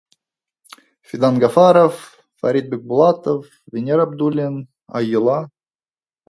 Фидан Ғафаров, Фәрит Бикбулатов, Венер Абдуллин, Ай Йола